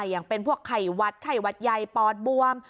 อย่างเป็นพวกไข่วัดไข้หวัดใหญ่ปอดบวม